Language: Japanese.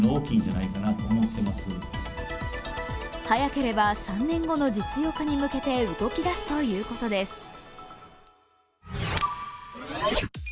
早ければ３年後の実用化に向けて動き出すということです。